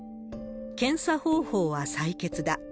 検査方法は採血だ。